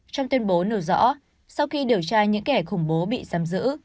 trong tuyên bố nêu rõ sau khi điều tra những kẻ khủng bố bị giam giữ